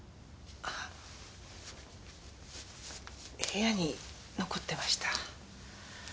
部屋に残ってました。